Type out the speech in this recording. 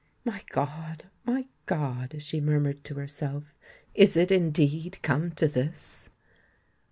"My God! my God!" she murmured to herself; "is it indeed come to this?"